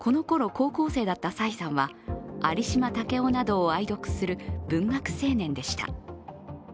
高校生だった蔡さんは有島武郎などを愛読する文学青年でした。